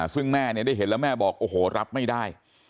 ซึ่งแม่เนี่ยได้เห็นแล้วแม่บอกโอ้โหรับไม่ได้